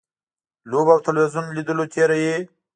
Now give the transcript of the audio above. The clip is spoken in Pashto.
لوبو او تلویزیون لیدلو تېروي.